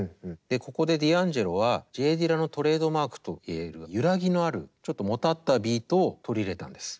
ここでディアンジェロはＪ・ディラのトレードマークと言える揺らぎのあるちょっともたったビートを取り入れたんです。